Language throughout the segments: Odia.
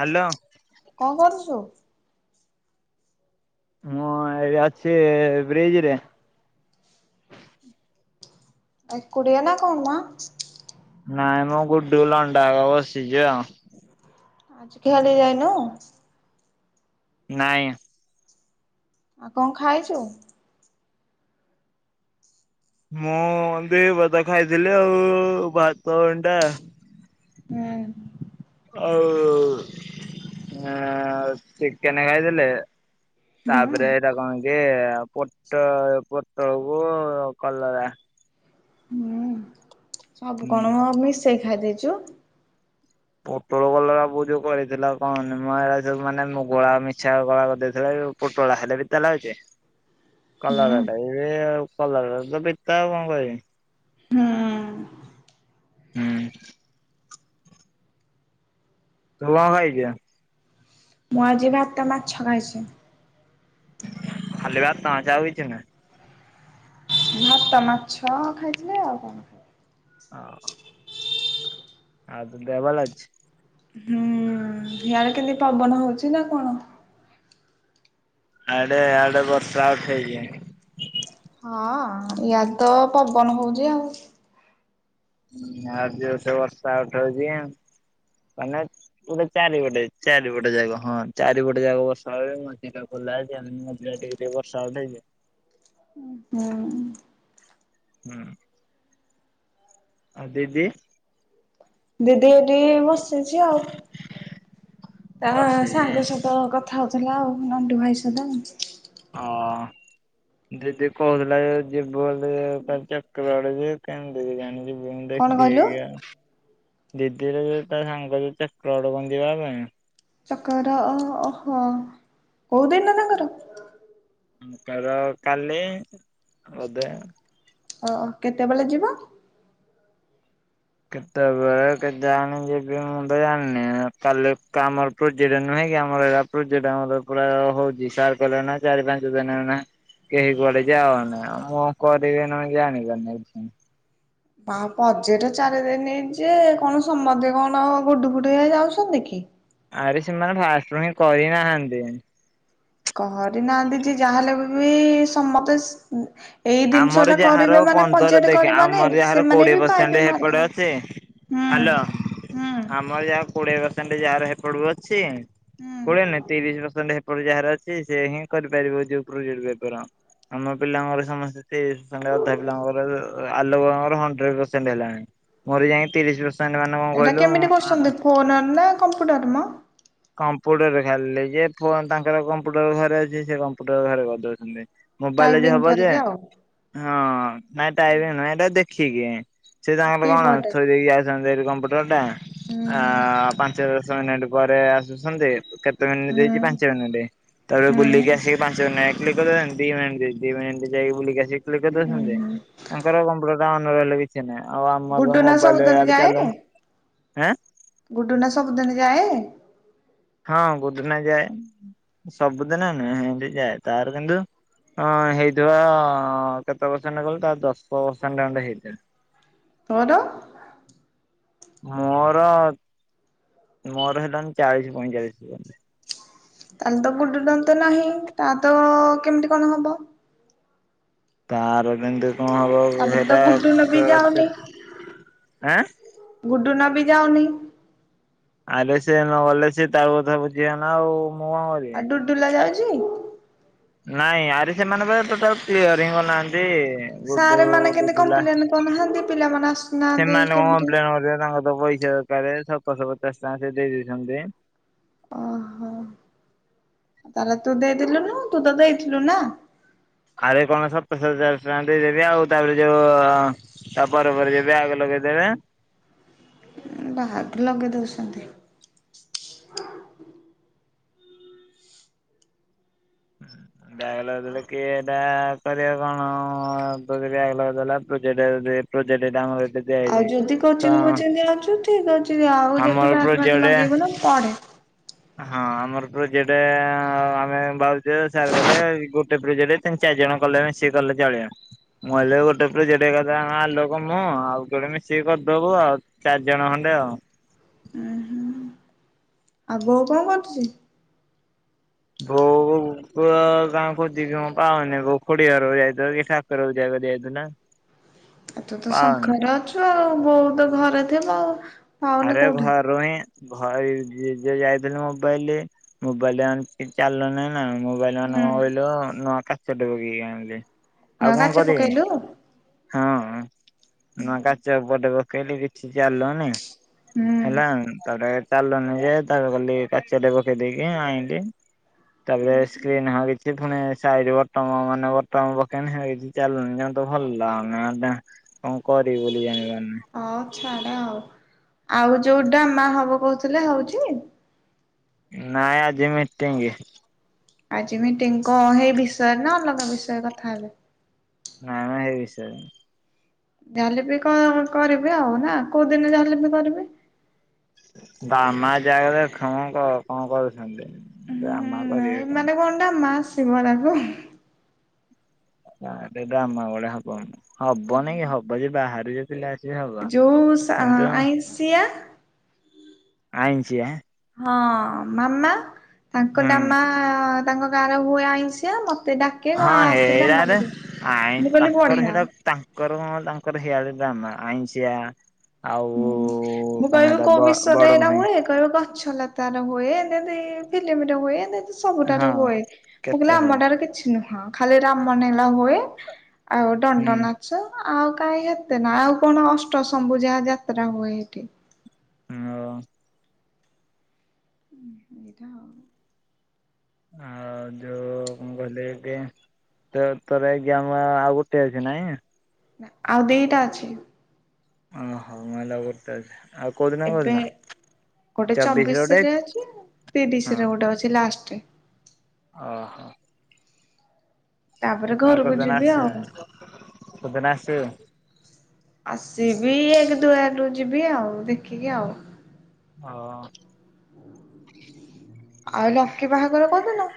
ହ୍ୟାଲୋ। କଣ କରୁଛୁ? ମୁଁ ଏବେ ଅଛି ବ୍ରିଜ ରେ। ଏକୁଟିଆ ନା କଣ ମା? ନାଇଁ ମ ଗୁଡୁ ଲଣ୍ଡା ହବ ବସିଛି ଆଉ। ଖିଆଡେ ଯାଇନୁ? ନାଇଁ। ଆଉ କଣ ଖାଇଛୁ? ମୁଁ ଦୁଇ ଭାତ ଖାଇଥିଲି ଆଉ ଭାତ ଅଣ୍ଡା ହୁଁ। ଆଉ ଅଁ ଚିକେନ ଖାଇଥିଲେ। ହୁଁ ତାପରେ ଏଇଟା କଣ କି ପୋଟ ପୋଟଳକୁ କଲରା। ହୁଁ ସବୁ ହୁଁ କଣ ମିଶେଇ ଖାଇ ଦେଇେଛୁ। ପୋଟଳ ବାଲା ବୋଉ ଯୋଉ ପଳେଇଥିଲା କଣ [unintelligible] ସବୁ ମାନେ ମୁ ଗଳା ମିଛା ଗଳା କରିଦେଇଥିଲେ। ପୋଟଳ ହେଲେ ପିତା ଲାଗୁଛି। ହୁଁ କଲରା ଟା ବି ଆଉ କଲରା ତ ପିତା ଆଉ କଣ କହିବି। ହୁଁ ହୁଁ। ତୁ କଣ ଖାଇଛୁ? ମୁଁ ଆଜି ଭାତ ମାଛ ଖାଇଛି। ଖାଲି ଭାତ ମାଛ ଆଉ କିଛି ନାହିଁ? ତ ମାଛ ଖାଇଥିଲି ଆଉ କଣ। ଆଉ। ଆଉ ତୋ ଦେହ ଭଲ ଅଛି? ହୁଁ ସିଆଡ଼େ କେମତି ପବନ ହଉଛି ନା କଣ? ଆଡେ ଆଡେ ବର୍ଷା ଉଠେଇଛି। ହଁ ଇଆଡେ ତ ପବନ ହଉଛି ଆଉ। ହଁ ଆଜି ଉଠୋଉ୍ ବର୍ଷା ଉଠୋଉଛି ଆଉ ମାନେ ଗୋଟେ ଚାରିପଟେ ଚାରିପଟେ ଜାଗା ହଁ ଚାରିପଟେ ଜାଗା ବର୍ଷା [unintelligible] [unintelligible] ଟିକେ ଟିକେ ବର୍ଷା ଉଠେଇଛି। ହୁଁ। ହୁଁ। ଆଉ ଦିଦି? ଦିଦି ଏଇଟି ବସିଛି ଆଉ। ତା ବସିଛି ସାଙ୍ଗ ସବୁ ତ କଥା ହେଉଥିଲା ଆଉ ନାଣ୍ଡୁ ଭାଇ ସହିତ। ହଁ। ଦିଦି କହୁଥିଲା ଏ ଯିବୁ ବୋଲି [unintelligible] କାଇଁ ଦେଇ ଜାଣିଲି। ଯୋଉଁ କଣ କହିଲୁ? ଦେଖିକି ଆ, ଦିଦିରେ ଯୋଉ ତା ସାଙ୍ଗ ଯେ ଚାଟାବେଳୁ କଣ ଯିବା ପାଇଁ। ଚକର ଓ ଓହୋ, କୋଉଦିନ ତାଙ୍କର? ତାଙ୍କର କାଲି ବୋଧେ। ଓ, ଓ, କେତେବେଳେ ଯିବ? କେତେବେଳେ କେଜାଣି ଯିବି ମୁଁ ତ ଜାଣିନି, କାଲି କାମ ପ୍ରୋଜେଟ ନୁହେଁ କି ଆମର ଏଟା ପ୍ରୋଜଟ ଆମର ପୁରା ହଉଚି, ସାର୍ କହିଲେ ନା ଚାରି ପାଞ୍ଚ ଦିନ ନା କେହି କୁଆଡେ ଯାଅନା ଆଉ, ମୁଁ କରିବି ନ ଜାଣିି ପାରୁନି କିଛି। [unintelligible] ପ୍ରୋଜେଟ ଚାରି ଦିନି ଯେ କଣ ସମସ୍ତେ କଣ ଗୁଡ଼ି ଫୁଡ଼ି ହେଇ ଯାଉଛନ୍ତିକି? ଆରେ ସେମାନେ ଫାଷ୍ଟ ରୁ ହିଁ କରିନାହାନ୍ତି। କରି ନାହାନ୍ତି ଯେ ଯାହାହେଲେ ବି ବି ସମତେ ଉଁ, ଏଇ ଦିନଷ ଆମର ଟା ଯାହାର କରିବେ ମାନେ ପନ୍ଦର ପ୍ରାଜେଟ ଦେଖେ କରିବାନି, ଆମର ଯାହାର ସେମାନେ ବି ପାଇବେ ମାର୍କ। ହୁଁ ହାଲୋ, ଆମର ଯା କୋଡିଏ ପରସେଣ୍ଟ ଯାହାର ହେପଡୁ ଅଛି ହୁଁ କୋଡିଏ ନୁହେ ତିରିଶ ପରସେଣ୍ଟେ ହେ ପଟୁ ଯାହାର ଅଛି ସେ ହିଁ କରିପାରିବ ଯୋଉ ପ୍ରୋଜେଟ ପେପର୍, ଆମ ପିଲାଙ୍କର ସମସ୍ ଯେତେ [unintelligible] ଅଧା ପିଲାଙ୍କର ଯୋ ଆଲୋକଙ୍କର ହଣ୍ଡ୍ରେଡ୍ ପରସେଣ୍ଟ ହେଲାଣି। ମୋର ଯାଇକି ତିରିଶ ପରସେଣ୍ଟ ମାନେ କଣ କହିଲୁ? ଉ, ଆ, ଆ ଫୋନ୍ ର ନା କମ୍ପୁଟର ମୋ? କମ୍ପୁଟର ରେ ଖାଲି ଯେ ଫୋନ୍ ତାଙ୍କର କମ୍ପୁଟର ଘରେ ଅଛି ସେ କମ୍ପୁଟର ଘରେ କରିଦଉଛନ୍ତି। ମୋବାଇଲ୍ ରେ ଯେ ଟାଇପିଂ ହବ ଯେ କରିକି ଆଉ ହଁ ନାଇଁ ଟାଇପି ନୁହଁ ଏଟା ଦେଖିକି। ସିଏ ତାଙ୍କଲେ କି କଣ ବୋର୍ଡରେ ଥୋଇ ଦେଇକି ଆାଉଛନ୍ତି ଏଠି କମ୍ପୁଟର ଟା। ଆ, ହୁଁ ପା ଚ ଦଶ ମିନିଟ୍ ପରେ ଆସ ସୁଛନ୍ତି କେତେ ମିନିଟ୍ ହୁଁ ଦେଇଚି ପାଞ୍ଚ ମିନିଟି ତାପରେ ବୁଲିକି ହୁଁ। ଆସିକି ପାଞ୍ଚ ମିନିଟ୍ କ୍ଲିକ୍ କରିଦଉଛନ୍ତି, ଦି ମିନିଟି ଦି ମିନିଟେ ଯାଇକି ବୁଲିକି ଆସି କ୍ଲିକ୍ କରିଦଉଛନ୍ତି। ତାଙ୍କର କମ୍ପ୍ୟୁଟର ଟା ଓନ୍ ରହିଲେ କିଛି ନାହି, ଆଉ ଆମର ତ ଗୁଡୁ ନା ମୋବାଇଲ୍ ସବୁଦିନ ଆଡେ ଚାଲୁନି। ଆଁ, ଗୁଡୁନା ସବୁଦିନ ଯାଏ? ହଁ ଗୁଡ଼ୁନା ଯାଏ, ସବୁଦିନ ନୁହେ, ହେମତି ଯାଏ। ତାର କିନ୍ତୁ ହଁ ହେଇଥିବ କେତେ ପରସେଣ୍ଟ କହିଲୁ ତା ଦଶ ପରସେଣ୍ଟ ଖଣ୍ଡେ ହେଇଥିବ। ତୋର? ମୋର ମୋର ହେଲାଣି ଚାଳିଶ ପଇଁଚାଳିଶ ପର୍ସେଣ୍ଟ। ତାହେଲେ ତ ଗୁଡୁନାନ୍ତ ନାହିଁ ତାର ତ କେମିତି କଣ ହବ? ତାର କେମିତି କଣ ହବ ତାପରେ ସେଟା ତ ଗୁଡୁନ ବି ତ ଯାଉନି ସେ ଆଁ, ଗୁଡ଼ୁନା ବି ଯାଉନି। ଆରେ ସିଏ ନ ଗଲେ ସିଏ ତା କଥା ବୁଝିବ ନା ଆଉ, ମୁଁ କଣ କରି ଆଉ ଡୁଡୁଲା ଯାଉଛି? ନାଇଁ ଆରେ ସେମାନେ ପରା ଟୋଟାଲ କ୍ଲିୟର୍ ହିଁ କରୁନାହାନ୍ତି। ସାର୍ ଗୁଡୁୁ, ମାନେ କେମିତି ଡୁଡୁଲା କମ୍ପ୍ଲେନ କରୁନାହାନ୍ତି ପିଲାମାନେ ଆସୁନାହାନ୍ତି ସେମାନେ କଣ କେମିତି କପ୍ଲେନ୍ କରିଚନ୍ତି ତାଙ୍କ ତ ପଇସା ଦରକାରେ ସତରଶ ପଚାଶ ଟଙ୍କା ସେ ଦେଇ ଦେଇଛନ୍ତି। ଓହୋ, ତାହେଲେ ତୁ ଦେଇଦେଲୁନି, ତୁ ତ ଦେଇଥିଲୁ ନା? ଆରେ କଣ ସାତଶ ପଚାଶ ଟଙ୍କା ଦେଇଦେବି ଆଉ ତାପରେ ଯୋଉ ଅ, ତା ପରେ ପରେ ଯେ ବ୍ୟାକ୍ ଲଗେଇଦେବେ। ବ୍ୟାକ୍ ଲଗେଇ ଦଉଛନ୍ତି। [inaudible] ବ୍ୟାକ ଲଗେଇଦେଲେ କିଏ ଟା କରିବ କଣ ଯଦି ବ୍ୟାକ ଲଗେଇଦେଲା ପ୍ରୋଜେଟ୍ ଯଦି ପ୍ରୋଜେକ୍ଟ ଟା ଆମ ଏତେ ଆଉ ଯଦି କୋଚିଂ ମୋଚିଙ୍ଗ ଦିଆହଉଛି ଠିକ୍ ଅଛି ଆଉ ଆମର ଯଦି ବ୍ୟାକ୍ ଫ୍ୟାକ୍ ପ୍ରୋଜେକ୍ଟ ଲଗେଇବ ନା ପଳେ ହଁ ଆମର ପ୍ରୋଜେକ୍ଟ ଆମେ ଭାବୁଛୁ ଯେ ସାର୍ କଲେ ଗୋଟେ ପ୍ରୋଜେକ୍ଟ ତିନି ଚାରି ଜଣ କଲେ ମିଶିକି କଲେ ଚଳିବ। ମୁଁ କହିଲି ଗୋଟେ ପ୍ରୋଜେକ୍ଟ ଏକାଥରେ ଆମେ ଆଲୋକ ମୁଁ ଆଉ କିଏ ଗୋଟେ ମିଶିକି କରିଦବୁ ଆଉ। ଚାରି ଜଣ ଖଣ୍ଡେ ଆଉ। ଆଉ ବୋଉ କଣ କରୁଛି? ବୋଉକୁ କାଁ ଖୋଜୁଛି କିି କଁ ପାଉନି ଗୋ ଗୁଡି ଘର ଯାଇଥିଲା କି ଠାକୁର ପୂଜା କରିବାକୁ ଯାଇଥିଲା। [inaudible] ତୁତ ପାଉନି। ଶଙ୍ଖରେ ଅଛୁ ଆଉ ବୋଉ ତ ଘରେ ଥିବ ଆଉ। ପାଉନି ଆରେ ଘ କୋଉଠି ଘରୁ ହିଁ ଘରୁ ନିଜେଯାଇଥିଲି ମୋବାଇଲ ମୋବାଇଲ ଆଣିଛି ଚାଲୁନି। ନା ମୋବାଇଲି ମାନେ ହୁଁ କଣ କହିଲ ନୂଆ କାଚଟେ ପକେଇକି ଆଁଣିଲି। ନା ଆଉ କଣ କାଚ କରିବି? ପକେଇଲୁ ହୁଁ। ହଁ ନୂଆ କାଚ ଉପରେ ପକେଇଲି କିଛି ଚାଲୁନି ହେଲା ତାପରେ ଚାଲୁନି ଯେ ତାପରେ ଗଲି କାଚଟେ ପକେଇ ଦେଇକି ଆଇଁଲି। ତାପରେ ‍ ସ୍କ୍ରିନ୍ ଆଣିତି ପୁଣି ସାଇଡ ବଟମ ମାନେ ବଟମ ପକେଇନି ସେଟା କିଛି ଚାଲୁନି, ଜମାମତେ ଭଲ ଲାଗୁନି ହେଲା। କଣ କରିବି ବୋଲି ଜାଣିପାରୁନି। ହଉ ଛାଡ଼ ଆଉ। ଆଉ ଯୋଉଟା ମା ହବ କହୁଥିଲେ ହଉଛି? ନାଇଁ ଆଜି ମିଟିଙ୍ଗି। ଆଜି ମିଟିଂ କ ହେଇ ବିଷୟରେ ନା ଅଲଗା ବିଷୟରେ କଥା ହେଲେ? ନାଇ ନାଇଁ ଏଇ ବିଷୟରେ। ଯାହା ହେଲେବି କଣ କରିବେ ଆଉ ନା କୋଉ ଦିନ ଯାହାଲେ ବି କରିବେ? ବ୍ରାମା ଜାଗାରେ କଣ କ କଣ କରୁଛନ୍ତି? ହୁଁ ଡ୍ରାମା ନାଇଁ କରିବେ। କେମିତି? ମାନେ କଣଟା ମା ଶିବ ରାକୁ ଗାଁରେ ଡ୍ରାମା ଭଳିଆ ହବ ହବନାଇଁ କି ହବ ଯେ ବାହାରେ ପିଲା ଆସିବେ ଆଉ। ଯୋଉ ସ ଆଇଁଷିଆ ଆଇଁଷିଆ! ହଁ ମାମା ତାଙ୍କ ହୁଁ ଡାମା ତାଙ୍କ ଗାଁରେ ହୁଏ ଆଇଁଷିଆ ମତେ ଡା ହଁ ହେଇପାରେ ଆଇଁ ମୁଁ କହିଲି ତାଙ୍କର ବଢିଆ ସେଟା ତା ତାଙ୍କର କଣ ତାଙ୍କର ସିଆଡେ ଡ୍ରାମା ଆଇଁଷିଆ। ହୁଁ ଆଉ ମୁଁ କଣ କହିବି ହେଟା ବ କୋଉ ବିଷୟରେ ବଡ ଏଇଟା ଭଇଁ ହୁଏ? ଗଛ ଲତାର ହୁଏ ଯେମତି ଫିଲ୍ମ୍ ରେ ହୁଏ ଯେମିତି ସବୁଠାରେ ହଁ ହୁଏ। ମୁଁ କହିଲି କେତେ ଘରେ ଆମଠାରେ କିଛି ନୁହଁ ଖାଲି ରାମନୀଳା ହୁଏ। ଆଉ ଦଣ୍ଡ ହୁଁ ନାଚ ଆଉ କାହିଁ ହେତେ ନା ଆଉ କଣ ଅଷ୍ଟଶମ୍ବୁ ଯାହା ଯାହା ଯାତ୍ରା ହୁଏ ଏଠି। ହଁ। ଏଇଟା ଆଉ। ଆଉ ଯୋଉ କଣ କହିଲି କି? ତ ତୋରେ ଏଜାମ୍ ଆଉ ଗୋଟେ ଅଛି ନାହିଁ? ଆଉ ଦିଟା ଅଛି। ଓହୋଃ ମୁଁ ଭାବିଲି ଆଉ‌ ଗୋଟାଏ। ଏବେ, ଗୋଟେ ଚବିଶରେ ଅଛି ତିରିଶରେ ଗୋଟେ ଅଛି ଲାଷ୍ଟରେ। ଓହୋଃ। ତାପରେ ଆଉ କୋଉ ଘରକୁ ଦିନ ଯିବି ଆଉ। ଆସିବୁ? କୋଦିନ ଆସିବୁ? ଆସିବି ଏକ ଦୁଇ ଆଡକୁ ଯିବି ଆଉ, ଦେଖିକି ଆଉ। ହଅ-ଅ। ଆଉ ଲକି ବାହାଘର କୋଉ ଦିନ?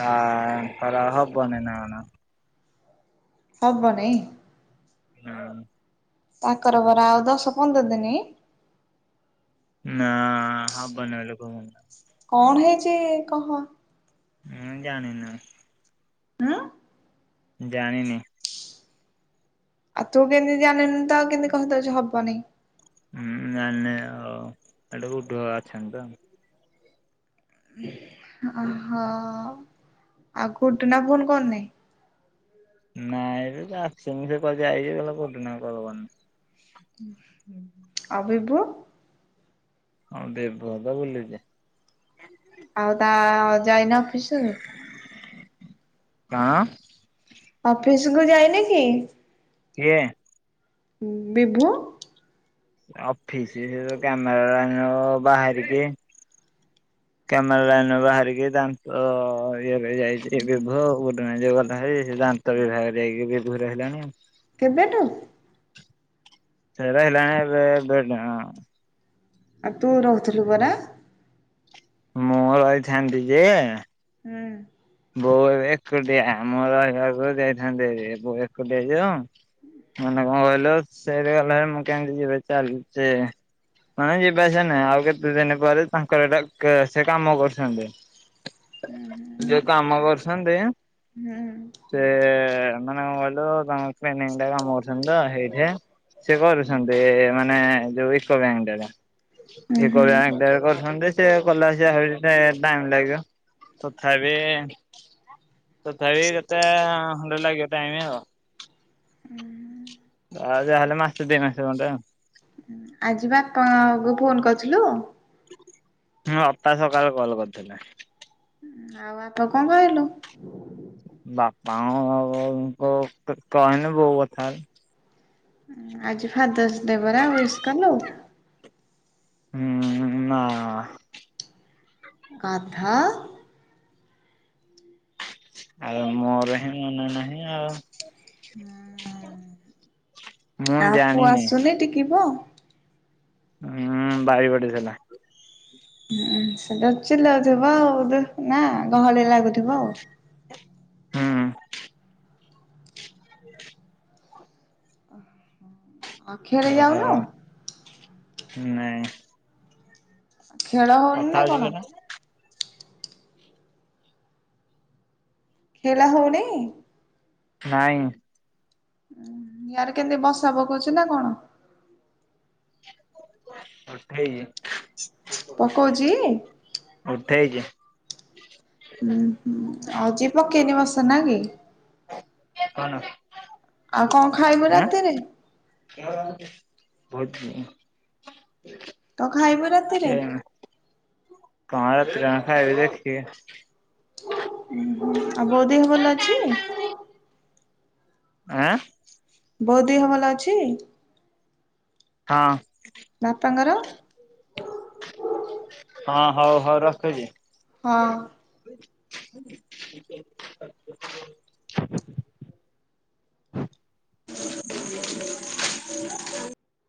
[unintelligible] ତାର ହବନି ନା କଣ। ହବ ନାଇଁ? ହଁ। ତାଙ୍କର ପରା ଆଉ ଦଶ ପନ୍ଦର ଦିନି? ନା-ଆ-ଆ ହବନି ବୋଲି କହୁଛନ୍ତି। କଣ ହେଇଛି କହ? ମୁଁ ଜାଣିନୁ। ଆଁ? ଜାଣିନି। ଆଉ ତୁ କେମିତି ଜାଣିନୁ ତ ଆଉ କେମିତି କହିଦେଉଛୁ ହବନି। ହୁଁ ଜଣିଲେ ଆଉ ଏଟାକୁ ଡ ଅଛନ୍ତି ତ। ହ ହଁ-ଅ-ଅ-ଅ ଆଉ କୁଟୁନା ଫୋନ୍ କରୁ ନାଇଁ? ନାଇଁ ବେ ସେ ଆସିନି ସେ କୁଆଡ଼େ ଯାଇଛି କହିଲା କୁଟୁନାକୁ କଲ୍ କରନି। ହୁଁ ହୁଁ ଆଉ‌ ବିଭୁ? ହଁ ଦେବ କଥା ‌ଭୁଲିଯା। ଆଉ ତା ଅଜା ଆଈ ନା ଅଫିସନ୍? କଣ? ଅଫିସକୁ ଯାଇନି କି? କିଏ? ହୁଁ ବିଭୁ ଅଫିସି ସେ ଯେତେବେଳେ କ୍ୟାମେରା ନେବ ବାହାରିକି। କ୍ୟମରା ‌ଲାଇନରୁ ବାହାରିକି ତାନ୍ତ ସେ ପା କୁଆଡେ ଯାଇଛି ବିଭୁ ଗୋଟ ନାଇଁ ଯୋଉ ଗଲାହେରି ସେ ଦାନ୍ତ ବିଭାଗରେ ଯାଇକି ବିଭୁ ରହିଲାଣି। କେବେଠୁ? ସେରା ହେଲାଣି‌ ଏଵେ ଏବେ ନୁହଁ। ଆଉ ତୁ ରହୁଥିଲୁ ପରା? ମୁଁ ରହିଥାନ୍ତି ଯେ ହୁଁ‌। ବୋଉ ଏକୁଟିଆ ମୁଁ ରହିବାକୁ ଯାଇଥାନ୍ତି ହେରି ବୋଉ ଏକୁଟିଆ ହେଇଯିବ। ମାନେ କଣ କହିଲ ସେଇଠି ଗଲେ ମୁଁ କେମିତି ଯିବି ଚାଲିଛି ମାନେ ଯିବା ଆସିବା ନୁହେଁ ଆଉ କେତେ ଦିନ ପରେ ତାଙ୍କର ଏଇଟା ସେ କାମ କରୁଛନ୍ତି। ହୁଁ -ହୁଁ। ଯୋଉ କାମ କରୁଛନ୍ତି। ସେ ମାନେ କଣ କହିଲୁ ତାଙ୍କ ଟ୍ରେନିଂଟା କାମ କରୁଛନ୍ତି ତ ହେଇଠି। ସେ କରୁଛନ୍ତି ମାନେ ଯୋଉ ଇକୋ ବ୍ୟାଙ୍କଟା ର। ହୁଁ ଇଏ ହୁଁ [unintelligible] କରୁଛନ୍ତି। ସେ ଗଲାସେ ଟାଇମ ଲାଗିବ [inaudible] ତଥାପି ତଥାପି କେତେ, ଘଣ୍ଟେ ଲାଗିବ ଟାଇମ୍ ଆଉ! ଯାହେଲେ ଆହୁରି ମାସେ ଦି ମାସେ ଖଣ୍ଡେ ଆଉ! ଆଜି, ବାପାଙ୍କୁ ଫୋନ୍ କରିଥିଲୁ? ହୁଁ ବାପା ସକାଳେ କଲ କରିଥିଲେ! ଆଉ ବାପା ଙ୍କୁ କଣ କହିଲୁ? ବାପାଙ୍କୁ ଆଉତ କଥା ହେଇନି ବୋଉ କଥା ଆଜି ଫାଦର୍ସ ଡେ ପରା, ୱୀସ୍ କଲୁ? ହୁଁ, ଉଁ ନା। ଗଧ! ଆଉ, ମୋର ହିଁ ମନେ ନାହିଁ ଆଉ! ହଁ! ହଁ! ଆଉ ପୁଅ ଆସୁନି, ଟିକି ପୁଅ? ହୁଁ, ବାରି ପଟେ ଥିଲା! ହୁଁ, ସେଟା ଚିଲଉଥିବ, ଆଉ ନା ଗହଳି ଲାଗୁଥିବ ଆଉ! ହୁଁ। ଆଉ ଅ ଖେଳି ହ, ଯାଉନୁ ନାଇଁ! ଖେଳ ହଉନି କଥା ନା ହଉଛି କଣ? ପରା ଖେଳା ହଉନି? ନାଇଁ! ଇଆଡେ କେମତି ବର୍ଷା ପକଉଛି, ନା କଣ? ବର୍ଷା ହେଇଚି। ପକଉଛି? ଉଠେଇଛି! ହୁଁ ହୁଁ ହଉଚି ପକେଇନି ବଷା ନାକି? କଣ? ଆଉ କଣ ଖାଇଲୁ, ରାତିରେ? ଭଟ [inaudible] ତ ଖାଇବୁ ରାତିରେ? କଣ ରାତିରେ କଣ ଖାଇବି ଦେଖିବି। ଆଉ ବୋଉ ଦେହ ଭଲ ଅଛି? ଆଁ! ବୋଉ ଦେହ ଭଲ ଅଛି? ହଁ! ବାପାଙ୍କର? ହଁ, ହଉ, ହଉ ରଖୁଛି! ହଁ। [unintelligible] [unintelligible]